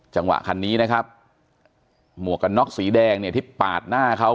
จังหวะคันนี้นะครับหมวกกันน็อกสีแดงเนี่ยที่ปาดหน้าเขา